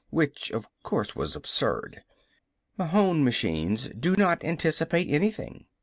Which, of course, was absurd. Mahon machines do not anticipate anything.